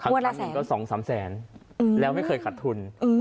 ครั้งหนึ่งก็๒๓แสนแล้วไม่เคยขัดทุน